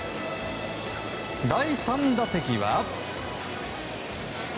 第３打席は。